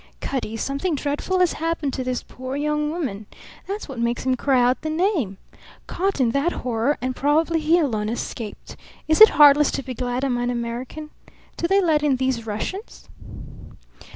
"Cutty, something dreadful has happened to this poor young woman. That's what makes him cry out the name. Caught in that horror, and probably he alone escaped. Is it heartless to be glad I'm an American? Do they let in these Russians?"